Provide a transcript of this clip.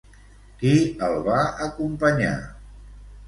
Qui el va acompanyar?